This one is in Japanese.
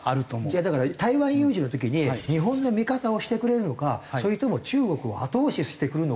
いやだから台湾有事の時に日本の味方をしてくれるのかそれとも中国を後押ししてくるのかと。